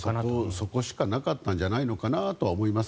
そこしかなかったんじゃないのかなと思います。